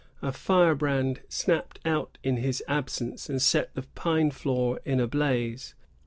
A firebrand snapped out in his absence and set the pine floor in a blaze.